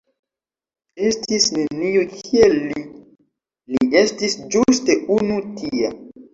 Estis neniu kiel li, li estis ĝuste unu tia".